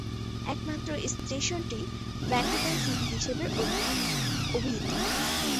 একমাত্র স্টেশনটি Vatican City হিসেবে অভিহিত।